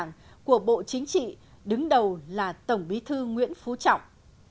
đồng hành của bộ chính trị đứng đầu là tổng bí thư nguyễn phú trọng